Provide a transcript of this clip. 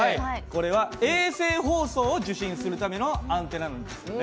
これは衛星放送を受信するためのアンテナなんですね。